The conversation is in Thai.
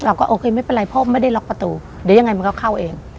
โอเคไม่เป็นไรพ่อไม่ได้ล็อกประตูเดี๋ยวยังไงมันก็เข้าเอง